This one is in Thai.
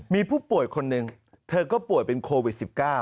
มีผู้ป่วยคนหนึ่งเธอก็ป่วยเป็นโควิด๑๙